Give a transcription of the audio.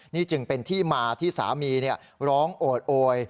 นี่จึงเป็นที่มาที่สามีร้องโอดโอย